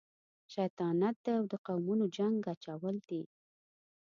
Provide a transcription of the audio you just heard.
شیطانت دی او د قومونو جنګ اچول دي.